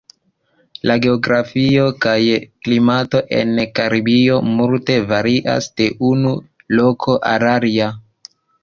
La geografio kaj klimato en Karibio multe varias de unu loko al alia.